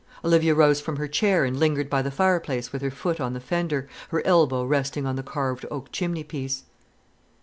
Olivia rose from her chair and lingered by the fireplace with her foot on the fender, her elbow resting on the carved oak chimneypiece.